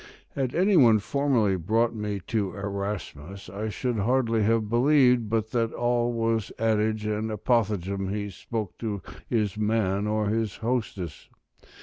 Had any one formerly brought me to Erasmus, I should hardly have believed but that all was adage and apothegm he spoke to his man or his hostess.